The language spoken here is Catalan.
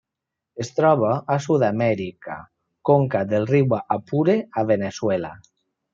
Es troba a Sud-amèrica: conca del riu Apure a Veneçuela.